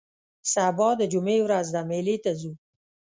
سبا د جمعې ورځ ده مېلې ته ځو